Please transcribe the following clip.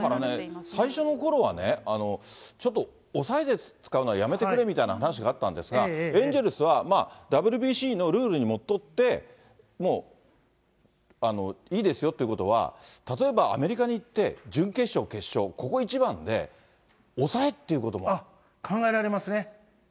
これもだからね、最初のころはね、ちょっと抑えで使うのはやめてくれみたいな話があったんですが、エンジェルスは、ＷＢＣのルールにのっとって、もういいですよってことは、例えばアメリカに行って、準決勝、決勝、考えられますね。